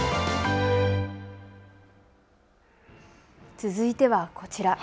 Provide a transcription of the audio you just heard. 続いてはこちら。